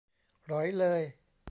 หรอยเลย